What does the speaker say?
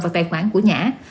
vào tài khoản của nhã